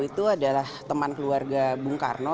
itu adalah teman keluarga bung karno